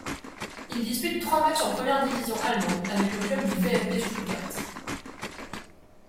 Il dispute trois matchs en première division allemande avec le club du VfB Stuttgart.